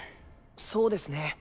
そうですね。